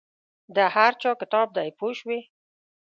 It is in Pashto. د هر چا کتاب دی پوه شوې!.